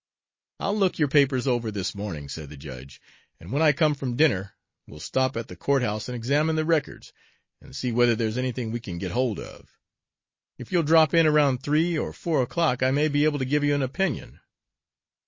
"I'll look your papers over this morning," said the judge, "and when I come from dinner will stop at the court house and examine the records and see whether there's anything we can get hold of. If you'll drop in around three or four o'clock, I may be able to give you an opinion."